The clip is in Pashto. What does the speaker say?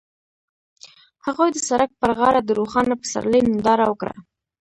هغوی د سړک پر غاړه د روښانه پسرلی ننداره وکړه.